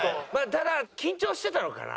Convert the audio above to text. ただ緊張してたのかな？